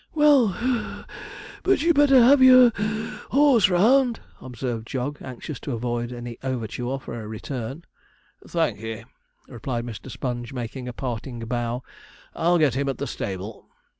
'Well (puff), but you'd better have your (wheeze) horse round,' observed Jog, anxious to avoid any overture for a return. 'Thankee,' replied Mr. Sponge, making a parting bow; 'I'll get him at the stable.'